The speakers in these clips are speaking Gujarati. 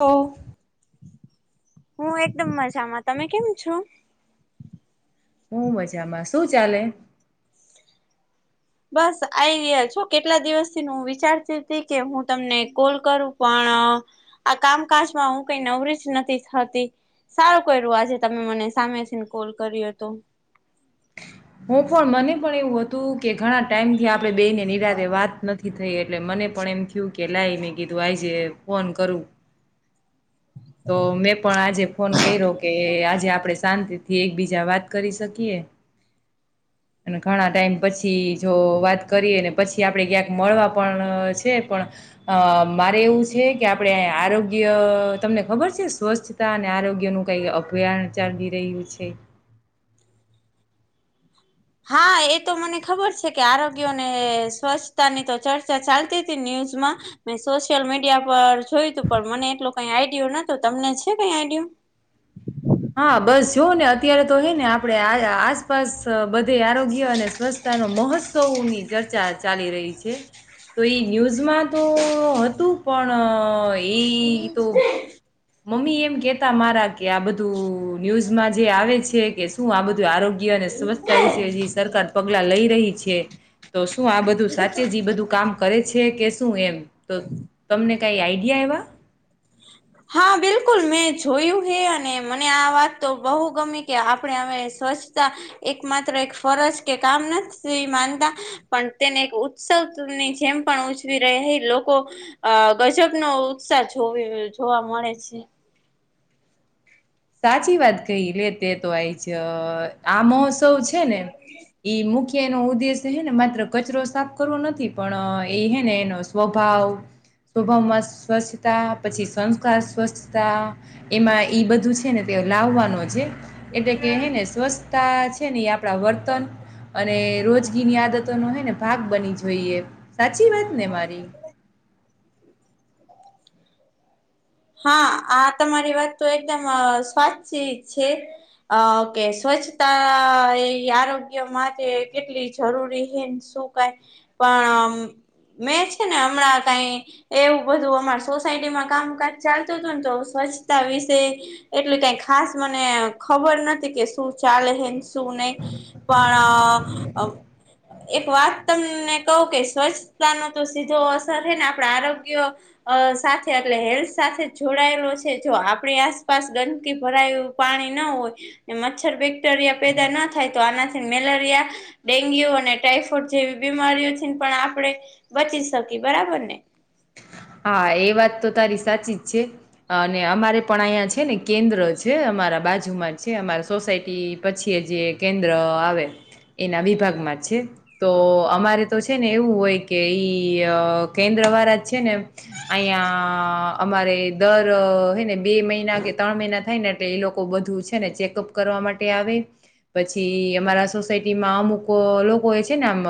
તો હું એકદમ મજામાં તમે કેમ છો? હું મજામાં શું ચાલે? બસ આ ગયા છો કેટલા દિવસથી હું વિચારતી હતી કે હું તમને કોલ કરું પણ આ કામકાજ માં હું કઈ નવરી જ નથી થતી. સારું કર્યું આજે તમે મને સામે થઈ ને કોલ કર્યો તો. હું પણ મને પણ એવું હતું કે ઘણા ટાઈમ થી આપણે બેને નિરાદે વાત નથી. નથી થઈ એટલે મને પણ એમ થયું કે લાવ મેં કીધું આઈજે ફોન કરું તો મેં પણ આજે ફોન કર્યો કે આજે આપણે શાંતિ થી એકબીજા વાત કરી શકીએ. અને ઘણા ટાઈમ પછી જો વાત કરીએને પછી આપણે ક્યાંક મળવા પણ છે, પણ અ મારે એવું છે કે આપડે આરોગ્ય તમને ખબર છે, સ્વચ્છતા અને આરોગ્યનું કંઈ અભ્યાહન ચાલી રહ્યું છે. હા, એ તો મને ખબર છે કે આરોગ્યને સ્વચ્છતાની તો ચર્ચા ચાલતી તી ન્યૂઝમાં મેં સોશિયલ મીડિયા પર જોયું તું પણ મને એટલું કઈ આઈડિયો નતો તમને છે કઈ આઈડિયો? હા, બસ જોવ ને અત્યારે તો હે ને આપણે આ આસપાસ બધે આરોગ્ય અને સ્વસ્થ પોતાનો મહોત્સવની ચર્ચા ચાલી રહી છે, તો એ ન્યૂઝમાં તો હતું પણ ઇ તો મમ્મી એમ કેતા મારા કે આ બધું ન્યૂઝમાં જે આવે છે, કે શું આ બધું આરોગ્ય અને સ્વસ્થ એ વિશે સરકાર પગલાં લઈ રહી છે, તો શું આ બધું સાચે જ એ બધું કામ કરે છે કે શું એમ તો તમને કઈ આઈડિયા એવા હા, બિલ બિલકુલ મેં જોયું હે અને મને આ વાત તો બહુ ગમે કે આપણે હવે સ્વચ્છતા એક માત્ર એક ફરજ કે કામ નથી માનતા પણ તેને એક ઉત્સવની જેમ પણ ઉજવી રહેલ લોકો અ ગજબ નો ઉત્સાહ જોવે જોવા મળે છે, સાચી વાત કહી લે તે તો આય જ આ મહોત્સવ છે ને ઈ મુ કે એનો ઉદ્દેશ્ય હે ને માત્ર કચરો સાફ કરવો નથી, પણ એ હે ને એનો સ્વભાવ સ્વભાવમાં સ્વચ્છતા પછી સંસ્કાર સ્વચ્છતા એમાં એ બધું છે ને તે લાવવાનો છે એટલે કેને સ્વચ્છતા છે, ને એ આપડા વર્તન અને રોજગીની આદતો નો હે ને ભાગ બની જઈએ, સાચી વાત ને મારી? હા આ તમારી વાત તો એકદમ સાચી જ છે. અ કે સ્વચ્છતા એ આરોગ્ય માટે કેટલી જરૂરી હે શુ કઇ પણ મેં છે ને હમણાં કઈ એવું બધું અમાર સોસાયટીમાં કામ કાજ ચાલતું તું ને તો સ્વચ્છતા વિશે એટલે કઈ ખાસ મને ખબર નથી કે શું ચાલે હે ને શું નહી. પણ એક વાત તમને કહું કે, સ્વચ્છતાનું તો સીધો અસર છે ને આપણા આરોગ્ય અ સાથે અગલે હેલ્થ સાથે જોડાયેલો છે, જો આપણી આસપાસ ગંદકી ભરાયું પાણીના હોય. મચ્છર બેક્ટેરિયા પેદા ન થાય તો આનાથી મેલેરિયા ડેન્ગ્યુ અને ટાઈફોઇડ જેવી બીમારીઓથીને પણ આપણે બચી શકીએ બરાબર ને. હા, એ વાત તો તારી સાચી જ છે. અને અમારે પણ અહીંયા છે ને કેન્દ્ર છે. અમારા બાજુમાં જ છે. અમારા સોસાયટી પછી એ જે કેન્દ્ર આવે. એના વિભાગમાં છે. તો અમારે તો છે ને એવું હોય કે ઈ કેન્દ્ર વાળા જ છે ને અંહીયા અમારે દર હે ને બે મહિના કે ત્રણ મહિના થાયને એ લોકો બધું છે ને ચેકઅપ કરવા માટે આવે. પછી અમારા સોસાયટીમાં અમુક લોકો એ છે ને આમ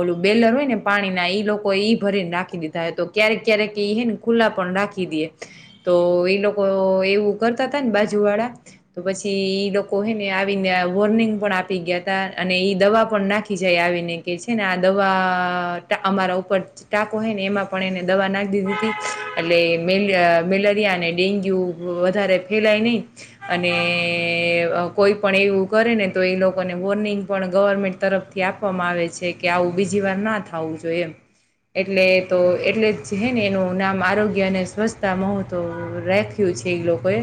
ઓલું બેલર હોય ને પાણીના ઈ લોકો ઈ ભરીને રાખી દીધા તો ક્યારેક, ક્યારેક એ હે ને ખુલ્લા પણ રાખી દે. તો એ લોકો એવું કરતા હતાને બાજુવાળા તો પછી ઈ લોકો હે ને આવીને વોર્નિંગ પણ આપી ગયા ત અને ઈ દવા પણ નાખી. જાય આવીને કે છે ને આ દવા અમારા ઉપર ટાકો હોય ને એમાં પણ એને દવા નાખી દીધી. એટલે, મે મેલેરિયા અને ડેન્ગ્યુ વધારે ફેલાય નહી. અને કોઈ પણ એવું કરે ને તો એ લોકોને વોર્નિંગ પણ ગવર્મેન્ટ તરફથી આપવામાં આવે છે કે, આવું બીજી વારના થવું જોઈએ એમ. એટલે તો એટલે છે ને એનું નામ આરોગ્ય અને સ્વચ્છતા મોહતો રાખ્યું છે એ લોકોએ.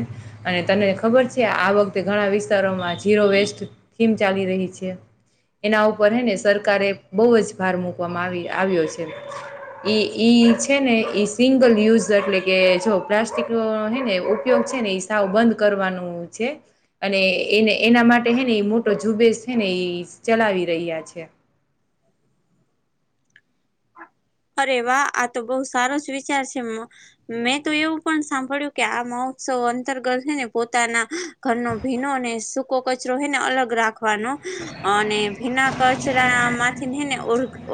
અને તને ખબર છે. આ વખતે ઘણા વિસ્તારોમાં જીરો વેસ્ટ થીમ ચાલી રહી છે. એના ઉપર હે ને સરકારે બહુ જ ભાર મૂકવામાં આવી આવ્યો છે. ઈ ઈઝ. છે ને એ સિંગલ યુઝ. એટલે કે જો પ્લાસ્ટિક હે ને ઉપયોગ છે ને સાવ બંધ કરવાનું છે. અને એને એના માટે હેને એ મોટો ઝુબેેશ છે ને એ ચલાવી રહ્યા છે. અરે વાહ. આ તો બહુ સારો જ વિચાર છે. મેં તો એવું પણ સાંભળ્યું કે આ મહોત્સવ અંતર્ગત છે ને પોતાના ઘરનો ભીનો અને સૂકો કચરો હે ને અલગ રાખવાનો અને ભીના કચરામાંથી હે ને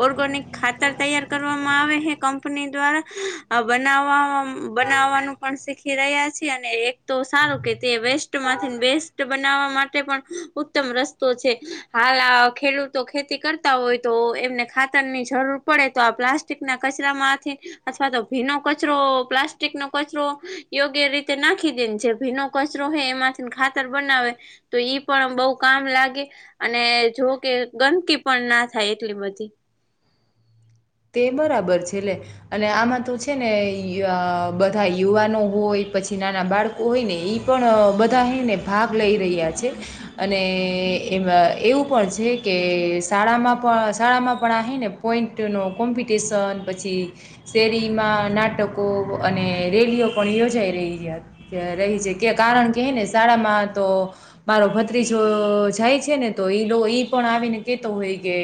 ઓર્ગેનિક ખાતર તૈયાર કરવામાં આવે હૈ. કંપની દ્વારા બનાવવા બનાવનું પણ શીખી રહ્યા છે અને એક તો સારું કે તે વેસ્ટ માંથી બેસ્ટ બનાવા માટે પણ ઉત્તમ રસ્તો છે. હાલ ખેડૂતો ખેતી કર હોય તો એમને ખાતરની જરૂર પડે તો આ પ્લાસ્ટિકના કચરામાંથી અથવા તો ભીનો કચરો પ્લાસ્ટિકનો કચરો યોગ્ય રીતે નાખી દેને જે ભીનો કચરો હો એમાંથી ખાતર બનાવે તો ઈ પણ બઉ કામ લાગે. અને જો કે ગંદકી પણ ના થાય એટલી બધી. તે બરાબર છે લલે. અને આમાં તો છે ને, બધા યુવાનો હોય પછી નાના બાળકો હોય ને, એ પણ બધા એહીંને ભાગ લઈ રહ્યા છે. અને એમાં એવું પણ છે કે શાળામાં પણ શાળામાં પણ આવીને પોઈન્ટનો કોમ્પિટિશન પછી શેરીમાં નાટકો અને રેલીઓ પણ યોજાઈ રહી. રહી છે. કે કારણ કે, હે ને શાળામાં તો મારો ભત્રીજો જાય છે ને તો એ ઈ પણ આવીને કેતો હોય કે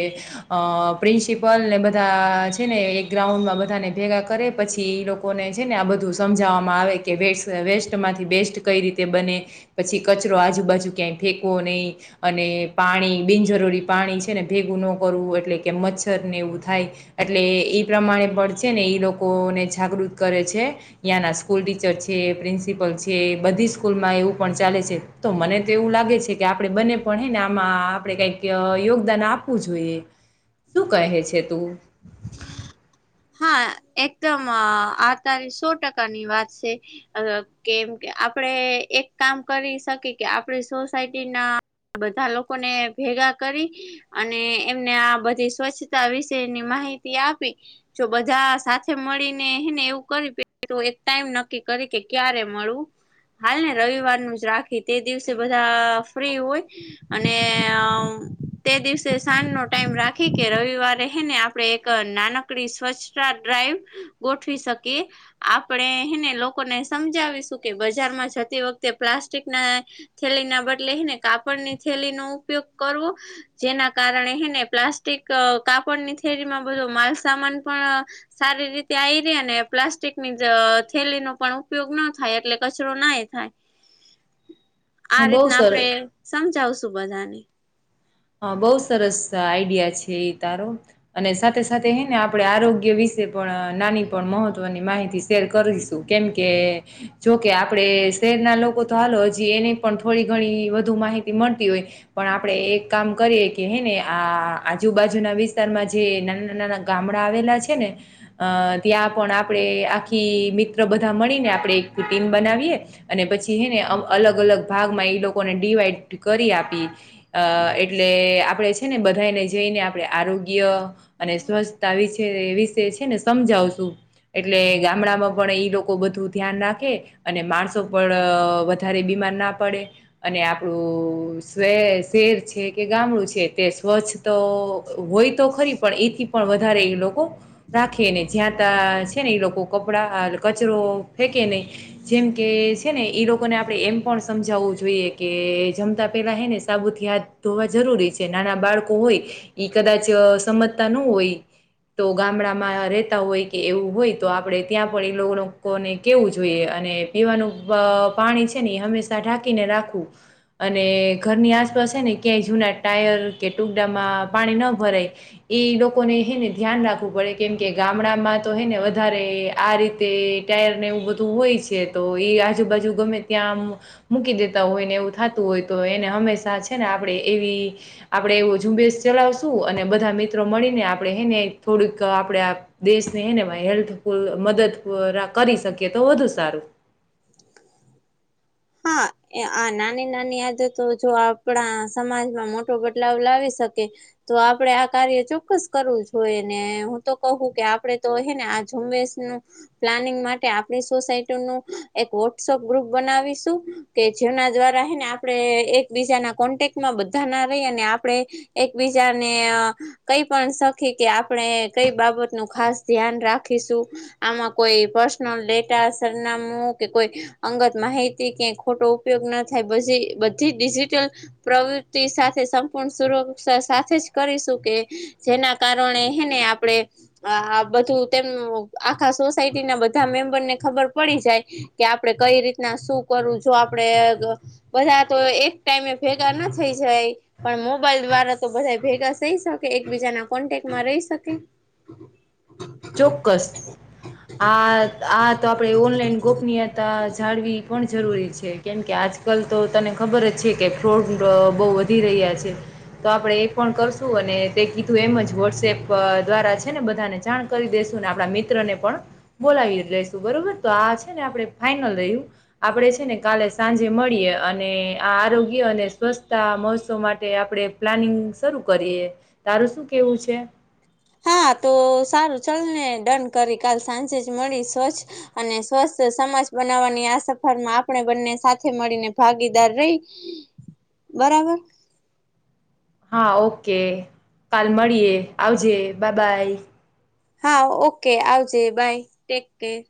અ પ્રિન્સિપલ બધ બધા છે ને એક ગ્રાઉન્ડમાં બધાને ભેગા કરે પછી એ લોકોને છે ને આ બધું સમજાવવામાં આવે. કે વે વેસ્ટમાંથી બેસ્ટ કઈ રીતે બને. પછી કચરો આજુબાજુ ક્યાંય ફેંકવો નહી. અને પાણી બિનજરૂરી પાણી છે ને ભેગું ન કરવું. એટલે કે, મચ્છર ને એવું થાય એટલે એ પ્રમાણે પણ છે ને એ લોકોને જાગૃત કરે છે ત્યાંના સ્કૂલ ટીચર છે પ્રિન્સિપલ છે બધી સ્કૂલમાં એવું પણ ચાલે છે તો મને તો એવું લાગે છે કે આપણે બને પણ હૈ ને આમાં આપણે કઈક યોગદાન આપવું જોઈએ શું કહે છે તું હા એકદમ આ તારી સો ટકાની વાત છે અ કેમ કે આપડણે એક કામ કરી શકી કે આપડી સોસાયટી ના બધા લોકો ને ભેગા કરી અને એમને આ બધી સ્વચ્છતા વિશે ની માહિતી આપી જો બધા સાથે મળીને હને એવું કર એક ટાઈમ નક્કી કરી કે ક્યારે મળું હાલ ને રવિવારનું જ રાખી તે દિવસે બધા ફ્રી હોય અને અ તે દિવસે સાંજ નો ટાઈમ રાખી કે રવિવાર રે હે ને આ આપણે એક નાનકડી સ્વચ્છતા ડ્રાઈવ ગોઠવી શકીએ આપણે હેને લોકોને સમજાવીશું કે બજારમાં જતી વખતે પ્લાસ્ટિક ના થેલી ના બદલેને કાપડ ની થેલી નો ઉપયોગ કરવો જેના કારણે હે ને પ્લાસ્ટિક કાપડની થેરીમાં બધો માલસામાન પણ સારી રીતે આવી રે ને પ્લાસ્ટિક ની થેલીનો પણ ઉપયોગ ન થાય એટલે કચરો નાય હા [inaudible] આ બહુ રીતના સરસ આપણેે સમજાવશું બધાને હા બહુ સરસ આઈડિયા છે એ તારો અને સાથે સાથે હે ને આપડે આરોગ્ય વિશે પણ નાની પણ મહત્વની માહિતી શેર કરીશ કેમ કે જોકે આપડે શહેરના લોકો તો હાલો હજી એને પણ થોડી ઘણી વધુ માહિતી મળતી હોય પણ આપણેે એક કામ કરીએ કે હે ને આ આજુબાજુના વિસ્તારમાં જે નાના નાના ગામડા આવેલા છે ને અ ત્યાં પણ આપણેે આખી મિત્ર બધા મળીને આપણે એક ટિમ બનાવીએ અને પછી હે ને અમ અલગ અલગ ભાગમાં એઈ લોકોને ડિવાઈડ કરી આપી અ એટલે આપડે છે ને બધાને જઈને આપણે આરોગ્ય અને સ્વસ્થતા વિ વિષ છે ને સમજાવશું એટલે ગામડામાં પણ ઈ લોકો બધું ધ્યાન રાખે અને માણસો પણ વધારે બીમાર ના પડે અને આપણું શ્રે શેર છે કે ગામડું છે તે સ્વચ્છ તો હોય તો ખરી પણ એથી પણ વધારે એ લોકો રાખે ને જ્યાં ત છે ને એ લોકો કપડા કચરો ફેંકે ને જેમ કે છે ને ઈ લોકોને આપણેે એમ પણ સમજાવવું જોઈએ કે જમતા પેલા હે ને સાબુથી હાથ ધોવા જરૂરી છે નાના બાળકો હોય ઈ કદાચ સમજતા નો હોય તો ગામડામાં રહેતા હોય કે એવું હોય તો આપણે ત્યાં પણ એ લોકો લોકોને કહેવું જોઈએ અને પીવાનું બ પાણી છે હંમેશા ઢાકીને રાખવું અને ઘરની આસપાસ છે ને ક્યાંય જૂના ટાયર કે ટુડામાં પાણી ન ભરાય એ લોકોને હને ધ્યાન રાખવું પડે કેમ કે ગામડામાં તો હેને વધારે આ રીતે ટાયર ને એવું બધું હોય છે તો એ આજુબાજુ ગમે ત્યાં આમ મૂકી દેતા હોય ને એવું થતું હોય તો એને હંમેશા છે ને આપણેે એવી આપડણે એવો ઝુંબેશ ચલાવશું અને બધા મિત્રો મળીને આપડણે હેને થોડુંક આપડણે દેશને હેને ભ હેલ્પફુલ મદદ કરી શકીએ તો વધુ સારું હા આ નાની નાની આદતો જો આપણા સમાજમાં મોટો બદલાવ લાવી શકે તો આપડે આ કાર્ય ચોક્કસ કરવું જોઈએ ને હું તો કહું કે આપડે તો હે ને ઝુંબેશ નું પ્લાનિંગ માટે આપણી સોસાયટી નું એક વોટ્સઅપ ગ્રુપ બનાવીશું કે જેવના દ્વારા હ ને આપડે એકબીજાના કોન્ટેક્ટમાં બધા ના રહી અને આપણે એકબીજાને કઈ પણ સખી કે આપણે કઈ બાબત નું ખાસ ધ્યાન રાખીશું આમાં કોઈ પર્સનલ ડેટા સરનામું કે કોઈ અંગત માહિતી કે ખોટો ઉપયોગ ના થાય પછી બધી ડિજિટલ પ્રવૃતિ સાથે સંપૂર્ણ સુરક્ષા સાથે જ કરીશું કે જેના કારણે હેને આપડે આ બધું તેમનું આખા સોસાયટી ના બધા મેમ્બર ને ખબર પડી જાય કે આપડણે કઈ રીતના શું કરું જો આપડણે બધા તો એક ટાઈમે ભેગા ના થઇ જાય પણ મોબાઈલ દ્વારા તો બધા ભેગા થઈ શકે એકબીજાના કોન્ટેકમાં રહી શકે. ચોક્કસ. આ-આ તો આપણે ઓનલાઈન ગોપનીયતા જાળવી પણ જરૂરી છે. કેમ કે આજકાલ તો તને ખબર જ છે કે ફ્રોડ અહ બહુ વધી રહ્યા છે. તો આપણે એ પણ કરશું, અને તે કીધું એમ જ વોટ્સએપ દ્વારા છે, ને બધાને જાણ કરી દેશું ને આપણા મિત્રને પણ બોલાવી લઈશું, બરોબર? તો આ છે ને આપણે ફાઈનલ રહ્યું આપણે છે ને કાલે સાંજે મળીએ, અને આ આરોગ્ય અને સ્વછતા મહોત્સવ માટે આપડે પ્લાનિંગ શરૂ કરીએ. તારું શું કેવું છે? હા, તો સારું ચલ ને ડન કરી કાલ સાંજે જ મળી, સ્વચ્છ અને સ્વસ્થ સમાજ બનાવવાની આ સફરમાં આપણે બંને સાથે મળીને ભાગીદાર રહી. બરાબર? હા, ઓકે. કાલ મળીએ, આવજે, બ બાય. હા ઓકે. આવજે, બાય, ટેક કેર.